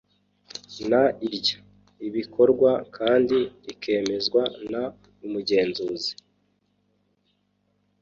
n iry ibikorwa kandi rikemezwa n Umugenzuzi